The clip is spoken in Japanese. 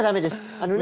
あのね。